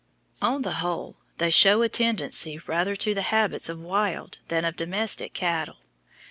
On the whole, they show a tendency rather to the habits of wild than of domestic cattle.